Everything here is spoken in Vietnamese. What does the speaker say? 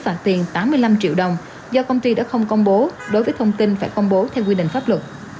phạt tiền tám mươi năm triệu đồng do công ty đã không công bố đối với thông tin phải công bố theo quy định pháp luật